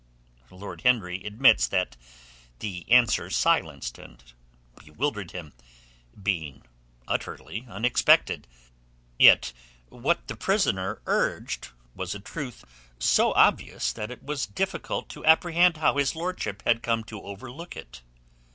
Lord Henry admits that the answer silenced and bewildered him, being utterly unexpected. Yet what the prisoner urged was a truth so obvious that it was difficult to apprehend how his lordship had come to overlook it.